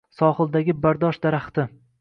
— “Sohildagi bardosh daraxti”!